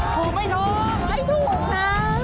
ถูกไหมโทษไม่ถูกนะ